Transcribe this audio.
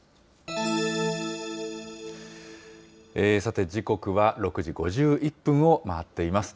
さて、時刻は６時５１分を回っています。